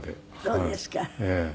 そうですか。